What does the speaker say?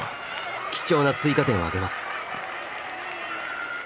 貴重な追加点をあげます。